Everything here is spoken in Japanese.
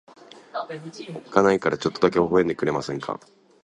おっかないからちょっとだけ微笑んでくれませんか。